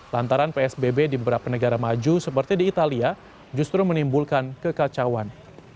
lantaran psbb di beberapa negara maju seperti di italia justru menimbulkan kekacauan